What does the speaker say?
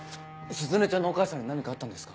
鈴音ちゃんのお母さんに何かあったんですか？